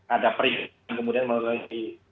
ada peringatan kemudian melalui